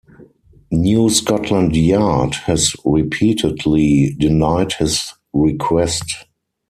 New Scotland Yard has repeatedly denied his request.